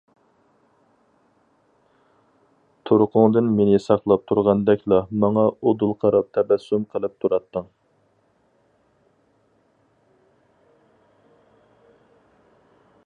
تۇرقۇڭدىن مېنى ساقلاپ ئولتۇرغاندەكلا ماڭا ئۇدۇل قاراپ تەبەسسۇم قىلىپ تۇراتتىڭ.